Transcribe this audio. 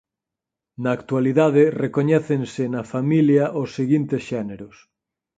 Na actualidade recoñécense n a familia os seguintes xéneros.